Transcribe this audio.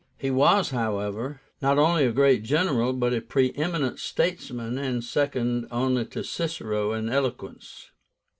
He was, however, not only a great general, but a pre eminent statesman, and second only to Cicero in eloquence.